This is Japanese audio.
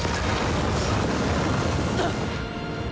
あっ！